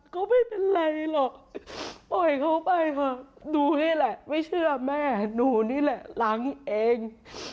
ก็ไม่เป็นไรหรอกปล่อยเขาไปค่ะดูนี่แหละไม่เชื่อแม่หนูนี่แหละล้างเอง